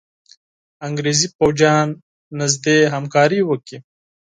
انګرېزي پوځیان نیژدې همکاري وکړي.